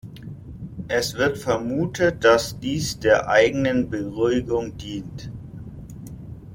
Es wird vermutet, dass dies der eigenen Beruhigung dient.